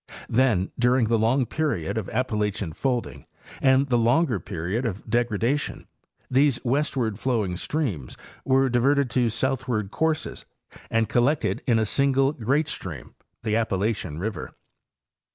Then during the long period of Appalachian folding and the longer period of degradation these westward flowing streams were diverted to southward courses and collected in a single great stream, the Appalachian river.